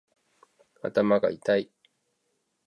頭がいたい